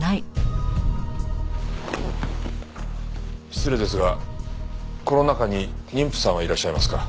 失礼ですがこの中に妊婦さんはいらっしゃいますか？